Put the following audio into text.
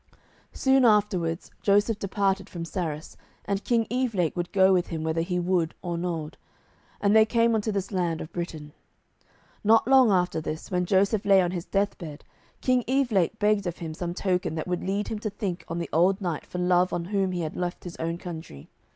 "Soon afterwards Joseph departed from Sarras, and King Evelake would go with him whether he would or nould, and they came unto this land of Britain. Not long after this, when Joseph lay on his death bed, King Evelake begged of him some token that would lead him to think on the old knight for love of whom he had left his own country.